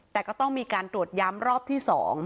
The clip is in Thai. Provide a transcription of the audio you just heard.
แต่ก็ต้องมีการตรวจย้ำรอบที่๒